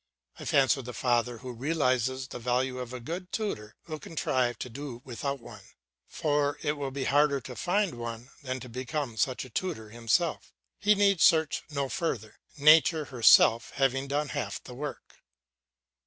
I fancy the father who realises the value of a good tutor will contrive to do without one, for it will be harder to find one than to become such a tutor himself; he need search no further, nature herself having done half the work.